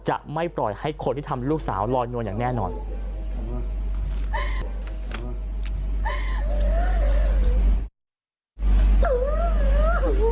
สุดท้ายตัดสินใจเดินทางไปร้องทุกข์การถูกกระทำชำระวจริงและตอนนี้ก็มีภาวะซึมเศร้าด้วยนะครับ